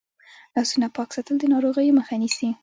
لاسونه پاک ساتل د ناروغیو مخه نیسي.